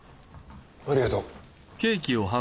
ありがとう。